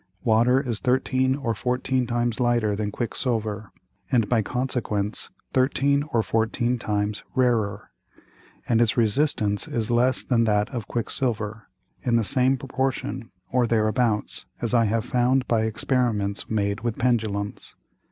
Water is thirteen or fourteen times lighter than Quick silver and by consequence thirteen or fourteen times rarer, and its Resistance is less than that of Quick silver in the same Proportion, or thereabouts, as I have found by Experiments made with Pendulums.